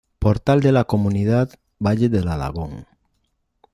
Portal de la Mancomunidad Valle del Alagón